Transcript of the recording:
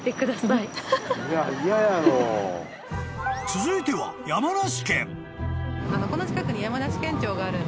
［続いては山梨県］